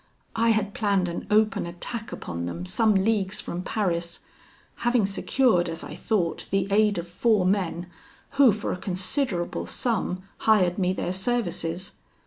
I had planned an open attack upon them some leagues from Paris; having secured, as I thought, the aid of four men, who for a considerable sum hired me their services.